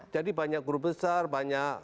jadi banyak guru besar banyak